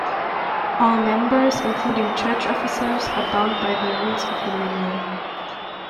All members, including church officers, are bound by the rules of the "Manual".